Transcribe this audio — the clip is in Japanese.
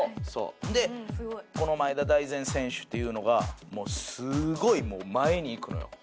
でこの前田大然選手っていうのがもうすごい前にいくのよ。